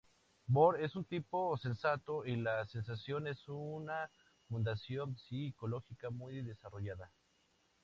Bohr es un tipo "sensato", y la sensación es una función psicológica muy desarrollada.